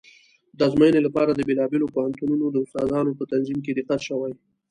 د ازموینې لپاره د بېلابېلو پوهنتونونو د استادانو په تنظیم کې دقت شوی و.